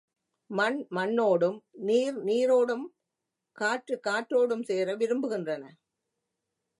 மண் மண்ணோடும், நீர் நீரோடும், காற்று காற்றோடும் சேர விரும்புகின்றன.